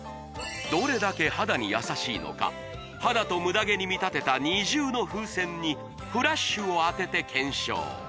どれだけ肌に優しいのか肌とムダ毛に見立てた二重の風船にフラッシュを当てて検証